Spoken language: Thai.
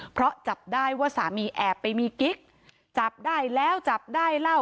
เพราะจับได้ว่าสามีแอบไปมีกิ๊กจับได้แล้วจับได้เล่า